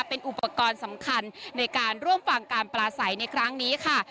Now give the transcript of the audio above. เป็นอุปกรณ์สำคัญในการร่วมฟังการปลาใสในครั้งนี้ค่ะ